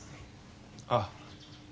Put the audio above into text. ああ。